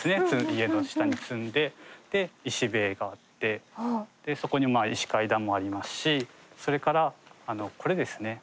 家の下に積んで石塀があってそこに石階段もありますしそれからこれですね